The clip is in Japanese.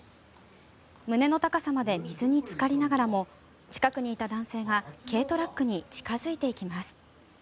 胸の高さまで水につかりながらも近くにいた男性が軽トラックに近付いていきます。